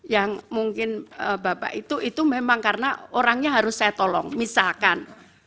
yang mungkin bapak itu itu memang karena orangnya harus saya tolong misalkan